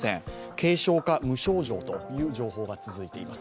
軽症か無症状という情報が続いています。